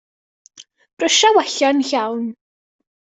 Brysia wella yn llawn.